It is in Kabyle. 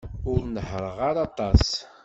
Ur nehhṛeɣ ara aṭas.